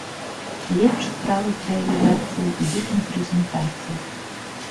Лепш справы з рэалізацыяй ідуць на прэзентацыях.